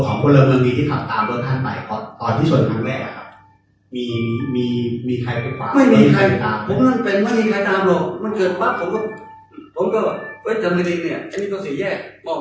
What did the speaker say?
คนของเพอแรงมือนมีที่ตามตามรถท่านไป